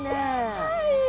はい。